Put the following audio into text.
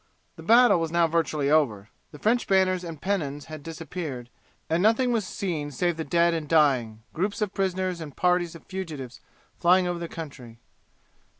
The battle was now virtually over. The French banners and pennons had disappeared, and nothing was seen save the dead and dying, groups of prisoners, and parties of fugitives flying over the country.